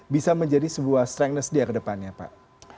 bisa menjadi sebuah strength ness dia ke depannya pak